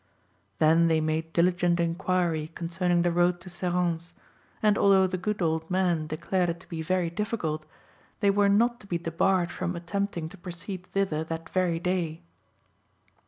Then they made diligent inquiry concerning the road to Serrance, and although the good old man declared it to be very difficult, they were not to be debarred from attempting to proceed thither that very day.